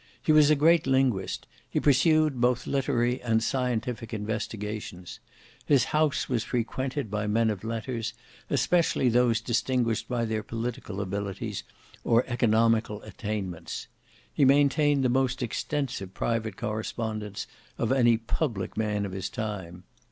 He was a great linguist; he pursued both literary and scientific investigations; his house was frequented by men of letters, especially those distinguished by their political abilities or economical attainments. He maintained the most extensive private correspondence of any public man of his time.